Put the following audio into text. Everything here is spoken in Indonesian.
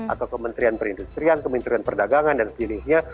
atau kementerian perindustrian kementerian perdagangan dan sejenisnya